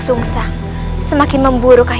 jangan semakin memburuk treeuk